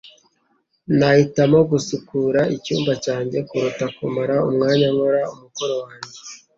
Nahitamo gusukura icyumba cyanjye kuruta kumara umwanya nkora umukoro wanjye.